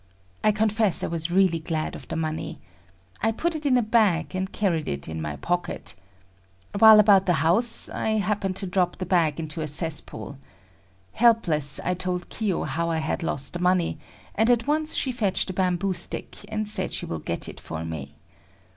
I confess I was really glad of the money. I put it in a bag, and carried it in my pocket. While about the house, I happened to drop the bag into a cesspool. Helpless, I told Kiyo how I had lost the money, and at once she fetched a bamboo stick, and said she will get it for me.